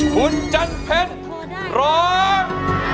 คุณจันเพชรร้อง